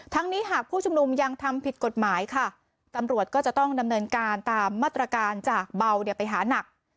นี้หากผู้ชุมนุมยังทำผิดกฎหมายค่ะตำรวจก็จะต้องดำเนินการตามมาตรการจากเบาเนี่ยไปหานัก